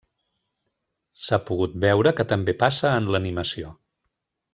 S’ha pogut veure que també passa en l’animació.